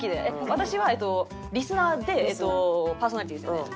私はえっとリスナーでパーソナリティーですよね。